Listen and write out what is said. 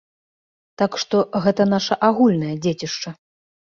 Так што, гэта наша агульнае дзецішча.